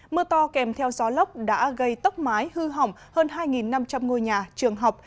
mưa to kèm theo gió lốc đã gây tốc mái hư hỏng hơn hai năm trăm linh ngôi nhà trường học